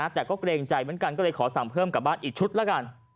แต่ก็เกรงใจเหมือนกันก็เลยขอสั่งเพิ่มกลับบ้านอีกชุดละกัน